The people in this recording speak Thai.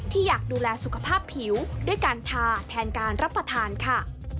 อยากดูแลสุขภาพผิวด้วยการทาแทนการรับประทานค่ะ